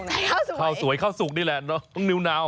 ข้าวสุกข้าวสวยข้าวสุกนี่แหละเนอะน้องนิวนาว